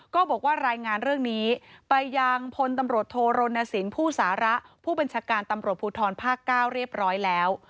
ก็บอกว่ารายงานเรื่องนี้ไปยังพลตำรวจโทรณสินผู้สาระผู้บัญชาการตำรวจภูทรภาค๙เรียบร้อยแล้ว